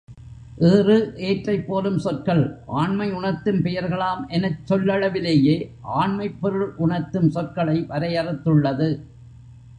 ஏறு, ஏற்றை போலும் சொற்கள் ஆண்மை உணர்த்தும் பெயர்களாம் எனச் சொல்லளவிலேயே ஆண்மைப் பொருள் உணர்த்தும் சொற்களை வரையறுத்துள்ளது.